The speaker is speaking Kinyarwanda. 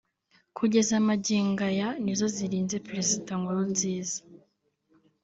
kugeza magingo aya nizo zikirinze Perezida Nkurunziza